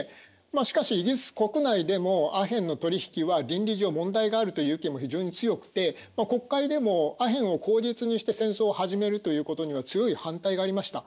まあしかしイギリス国内でもアヘンの取り引きは倫理上問題があるという意見も非常に強くて国会でもアヘンを口実にして戦争を始めるということには強い反対がありました。